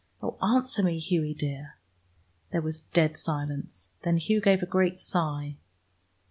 "Oh, answer me, Hughie dear!" There was dead silence. Then Hugh gave a great sigh.